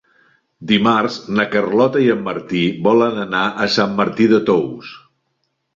Dimarts na Carlota i en Martí volen anar a Sant Martí de Tous.